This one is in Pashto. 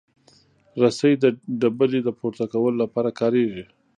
رسۍ د ډبرې د پورته کولو لپاره کارېږي.